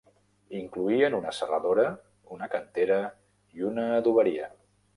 Incloïen una serradora, una cantera i una adoberia.